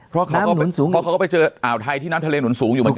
เพราะเขาก็ไปเจออ่าวไทยที่น้ำทะเลหนุนสูงอยู่ต่าง